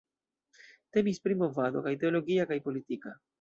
Temis pri movado kaj teologia kaj politika.